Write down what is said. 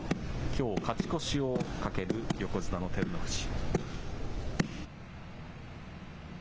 きょう勝ち越しをかける横綱の照ノ富士。